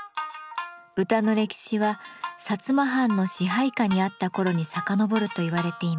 歌の歴史は薩摩藩の支配下にあった頃に遡ると言われています。